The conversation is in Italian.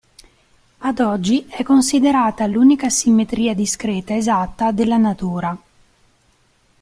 Ad oggi è considerata l'unica simmetria discreta esatta della natura.